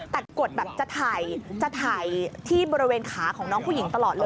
แต่กฎจะถ่ายที่บริเวณขาของน้องผู้หญิงตลอดเลย